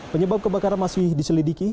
penyebab kebakaran masih diselidiki